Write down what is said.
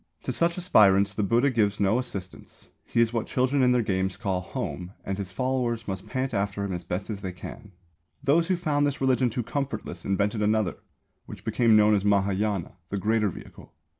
To such aspirants the Buddha gives no assistance; he is what children in their games call "home," and his followers must pant after him as best they can. First century A.D. Those who found this religion too comfortless invented another, which became known as Mahāyāna, the Greater Vehicle.